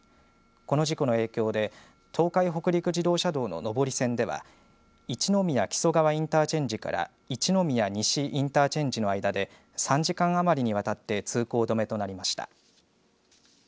この事故の影響で東海北陸自動車道の上り線では一宮木曽川インターチェンジから一宮西インターチェンジの間で３時間余りにわたって通行止めとなりました。